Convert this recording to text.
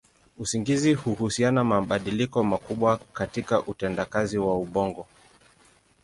Usingizi huhusisha mabadiliko makubwa katika utendakazi wa ubongo.